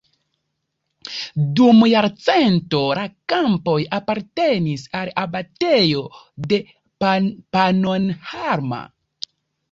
Dum jarcento la kampoj apartenis al abatejo de Pannonhalma.